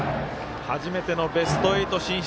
初めてのベスト８進出